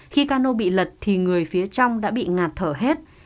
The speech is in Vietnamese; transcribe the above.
khi cano bị lật thì người phía trong đã bị ngạt thở hết